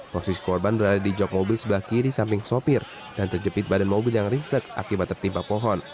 posisi korban berada di jog mobil sebelah kiri samping sopir dan terjepit badan mobil yang ringsek akibat tertimpa pohon